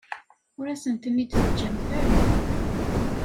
Ur asen-ten-id-teǧǧamt ara.